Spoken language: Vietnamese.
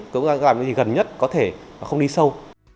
cố gắng làm những gì gần nhất có thể và không đi sâu